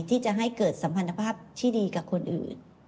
ที่จะให้เกิดสัมพันธภาพที่ดีกับคนอื่น